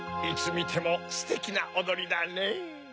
いつみてもステキなおどりだねぇ。